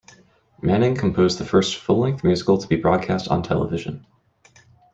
Manning composed the first full-length musical to be broadcast on television.